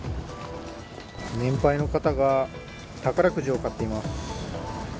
年配の方が宝くじを買っています。